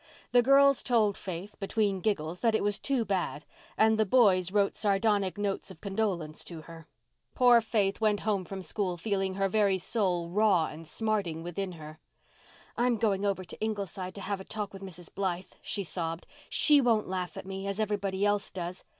The girls told Faith, between giggles, that it was too bad, and the boys wrote sardonic notes of condolence to her. Poor Faith went home from school feeling her very soul raw and smarting within her. "I'm going over to Ingleside to have a talk with Mrs. Blythe," she sobbed. "She won't laugh at me, as everybody else does.